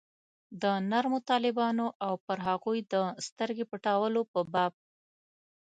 د نرمو طالبانو او پر هغوی د سترګې پټولو په باب.